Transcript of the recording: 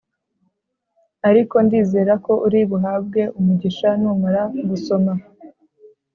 Ariko ndizerako uri buhabwe umugisha Numara gusoma